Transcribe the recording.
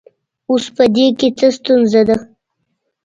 اوس په دې کې څه ستونزه ده